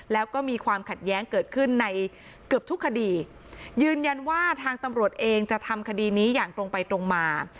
แล้วก็มีความขัดแย้งเกิดขึ้นในเกือบทุกคดียืนยันว่าทางตำรวจเองจะทำคดีนี้อย่างตรงไปตรงมา